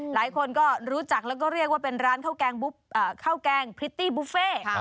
หลายคนก็รู้จักแล้วก็เรียกว่าเป็นร้านข้าวแกงพริตตี้บุฟเฟ่